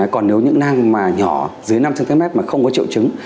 còn nếu những nang mà nhỏ dưới năm cm mà không có triệu chứng